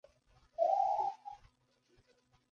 Tickets for the performances in Japan sold out within minutes.